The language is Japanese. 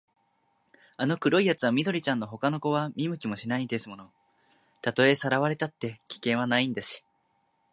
あの黒いやつは緑ちゃんのほかの子は見向きもしないんですもの。たとえさらわれたって、危険はないんだし、